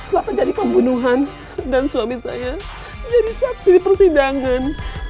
setelah terjadi pembunuhan dan suami saya jadi saksi di persidangan